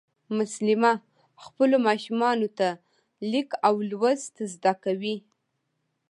مسلیمه خپلو ماشومانو ته لیک او لوست زده کوي